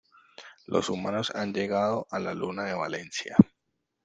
Los humanos han llegado a la Luna de Valencia.